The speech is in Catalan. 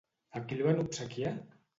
A qui el van obsequiar?